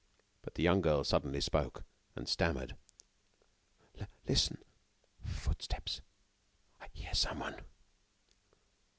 But the young girl suddenly spoke, and stammered: "Listen.... footsteps....I hear someone...."